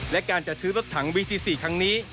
และการจะซื้อรถถังวิทย์ที่๔ครั้งนี้